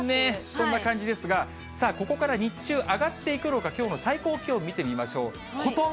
そんな感じですが、さあ、ここから日中、上がっていくのか、きょうの最高気温見てみましょう。